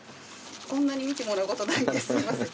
こんなに見てもらうことないんですみません。